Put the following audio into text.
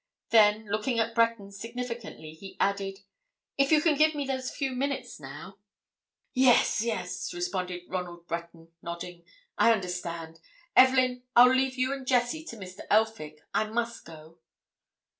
Then, looking at Breton significantly, he added, "If you can give me those few minutes, now—?" "Yes—yes!" responded Ronald Breton, nodding. "I understand. Evelyn—I'll leave you and Jessie to Mr. Elphick; I must go."